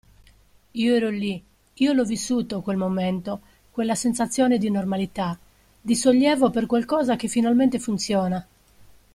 Io ero lì, io l'ho vissuto quel momento, quella sensazione di normalità, di sollievo per qualcosa che finalmente funziona.